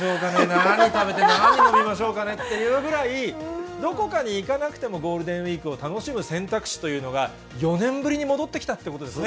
何食べて、何飲みましょうかね。というぐらい、どこかにいかなくてもゴールデンウィークを楽しむ選択肢というのが、４年ぶりに戻ってきたということですね。